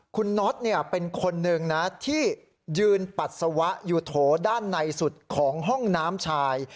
คุณน็อตเป็นคนหนึ่งนะที่ยืนปัสสาวะอยู่โถด้านในสุดของห้องน้ำชาย